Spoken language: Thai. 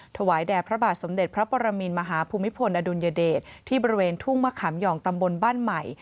ถวายแด่พระบาทสมเด็จพระปรมินมหาภูมิพลอดุลยเดชที่บริเวณทุ่งมะขามหย่องตำบลบ้านใหม่